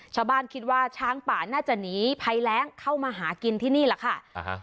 ชาวบ้านคิดว่าช้างป่าน่าจะหนีภัยแรงเข้ามาหากินที่นี่แหละค่ะอ่าฮะ